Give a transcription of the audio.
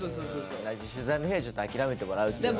取材の日はちょっと諦めてもらうっていうか。